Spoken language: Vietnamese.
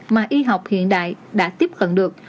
mà y học hiện đại đã tiếp cận được